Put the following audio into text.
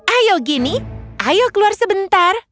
ayo gini ayo keluar sebentar